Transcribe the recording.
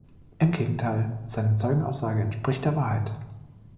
Im Gegenteil: seine Zeugenaussage entspricht der Wahrheit.